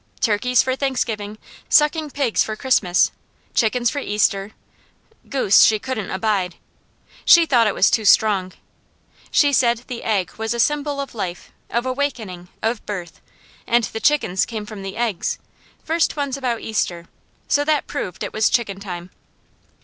Turkeys for Thanksgiving, sucking pigs for Christmas, chickens for Easter, goose, she couldn't abide. She thought it was too strong. She said the egg was a symbol of life; of awakening, of birth, and the chickens came from the eggs, first ones about Easter, so that proved it was chicken time.